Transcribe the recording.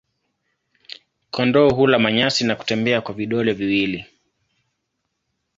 Kondoo hula manyasi na kutembea kwa vidole viwili.